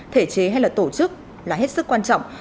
thể chế hay là tổ chức là hết sức quan trọng